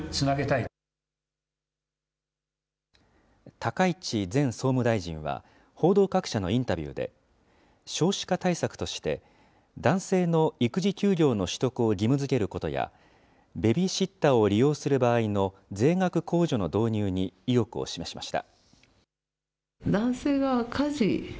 高市前総務大臣は、報道各社のインタビューで、少子化対策として、男性の育児休業の取得を義務づけることや、ベビーシッターを利用する場合の税額控除の導入に意欲を示しました。